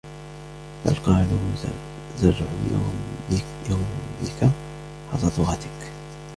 بَلْ قَالُوا زَرْعُ يَوْمِك حَصَادُ غَدِك